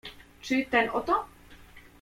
"Czy ten oto?"